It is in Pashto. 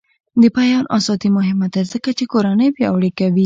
د بیان ازادي مهمه ده ځکه چې کورنۍ پیاوړې کوي.